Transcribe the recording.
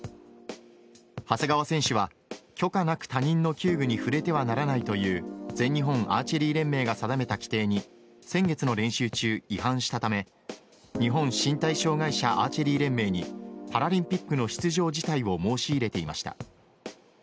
長谷川選手は許可なく他人の弓具に触れてはならないという全日本アーチェリー連盟が定めた規定に先月の練習中、違反したため日本身体障害者アーチェリー連盟にパラリンピックの出場辞退を申し入れていました。